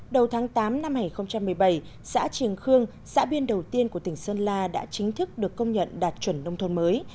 đầu tháng tám năm hai nghìn một mươi bảy xã triềng khương xã biên đầu tiên của tỉnh sơn la đã chính thức được công nhận đạt chuẩn nông thôn mới